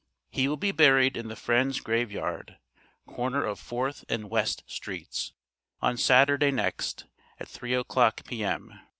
He will be buried in the Friends' grave yard, corner of Fourth and West Streets, on Saturday next, at three o'clock, P.M.